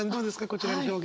こちらの表現。